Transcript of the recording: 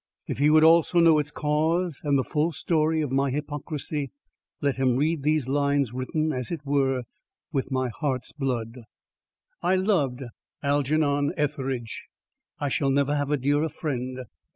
If he would also know its cause and the full story of my hypocrisy, let him read these lines written, as it were, with my heart's blood. I loved Algernon Etheridge; I shall never have a dearer friend.